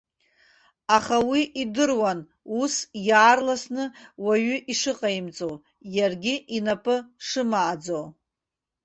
Аха уи идыруан, ус иаарласны уаҩы ишыҟаимҵо, иаргьы инапы шымааӡо.